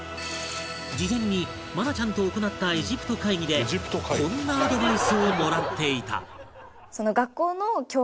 事前に愛菜ちゃんと行ったエジプト会議でこんなアドバイスをもらっていた